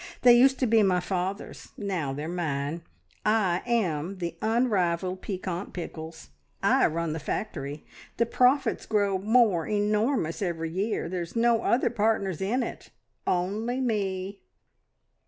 They used to be my father's: now they're mine. I am the Unrivalled Piquant Pickles. I run the factory. The profits grow more e normous every year. There's no other partners in it, only Me!"